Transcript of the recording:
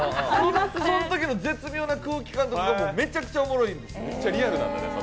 そのときの絶妙な空気感とかもめちゃくちゃおもろいんです。